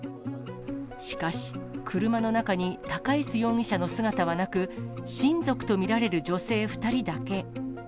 しかし、車の中に高江洲容疑者の姿はなく、親族と見られる女性２人だけ。